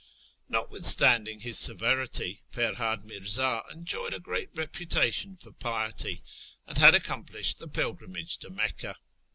Notwithstanding his severity, Ferhad Mi'rzd enjoyed a gi'eat reputation for piety, and had accomplished the pilgrimage to Mecca.